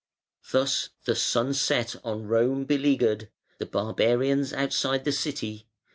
Thus the sun set on Rome beleaguered, the barbarians outside the City.